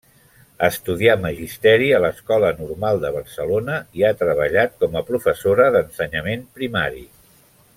Estudià magisteri a l'Escola Normal de Barcelona i ha treballat com a professora d'ensenyament primari.